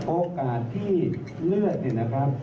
โอกาสที่เลือดเนี่ยนะครับ